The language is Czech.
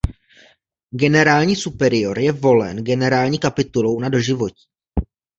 Generální superior je volen generální kapitulou na doživotí.